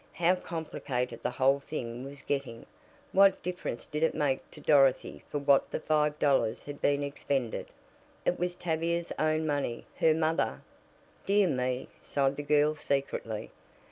How complicated the whole thing was getting! What difference did it make to Dorothy for what the five dollars had been expended? It was Tavia's own money. Her mother "Dear me!" sighed the girl secretly.